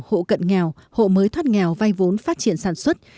hộ cận nghèo hộ mới thoát nghèo vay vốn phát triển sản xuất